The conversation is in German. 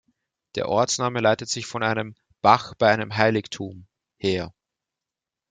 Der Ortsname leitet sich von einem „Bach bei einem Heiligtum“ her.